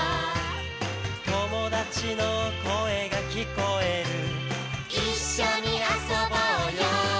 「友達の声が聞こえる」「一緒に遊ぼうよ」